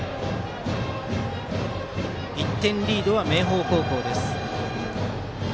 １点リードは明豊高校です。